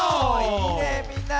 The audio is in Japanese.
いいねみんな。